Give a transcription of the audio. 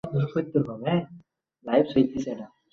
তিনি জার্মানি থেকে অস্ত্র ও রসদের প্রতিশ্রুতি অর্জন করেছিলেন।